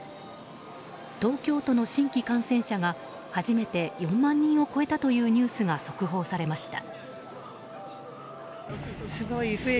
東京都の新規感染者が初めて４万人を超えたというニュースが速報されました。